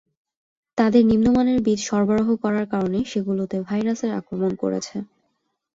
তাঁদের নিম্নমানের বীজ সরবরাহ করার কারণে সেগুলোতে ভাইরাস আক্রমণ করেছে।